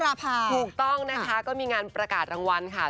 เมื่อวานนี้ถูกต้องนะคะก็มีงานประกาศรางวัลค่ะ